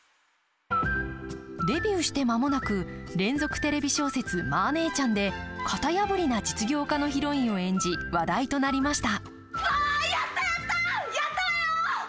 デビューしてまもなく連続テレビ小説「マー姉ちゃん」で型破りな実業家のヒロインを演じ話題となりました。